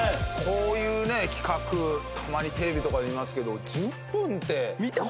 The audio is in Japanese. こういうね企画たまにテレビとかで見ますけど１０分って。